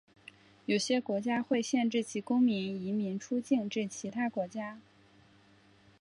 有些国家会限制其公民移民出境至其他国家。